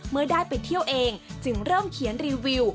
เมื่อได้ไปเที่ยวเองจึงเริ่มเขียนรีวิว